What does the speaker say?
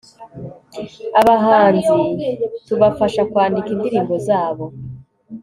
abahanzi, tubafasha kwandika indirimbo zabo